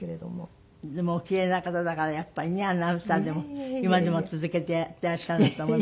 でもおキレイな方だからやっぱりねアナウンサーでも今でも続けてやってらっしゃるんだと。